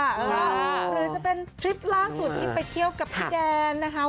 หรือจะเป็นทริปล่าสุดที่ไปเที่ยวกับพี่แดนนะคะ